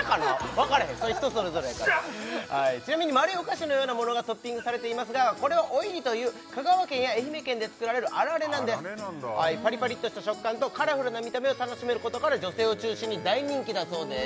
わかれへん人それぞれやからちなみに丸いお菓子のようなものがトッピングされていますがこれはおいりという香川県や愛媛県で作られるあられなんですパリパリっとした食感とカラフルな見た目を楽しめることから女性を中心に大人気だそうです